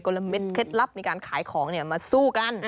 ละเม็ดเคล็ดลับในการขายของมาสู้กัน